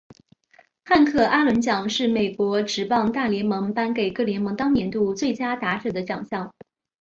汉克阿伦奖是美国职棒大联盟颁给各联盟当年度最佳打者的奖项。